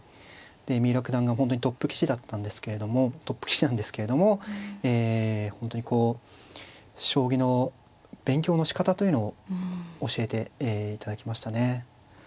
で三浦九段が本当にトップ棋士だったんですけれどもトップ棋士なんですけれどもえ本当にこう将棋の勉強のしかたというのを教えていただきましたね。